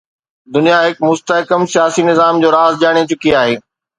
دنيا هڪ مستحڪم سياسي نظام جو راز ڄاڻي چڪي آهي.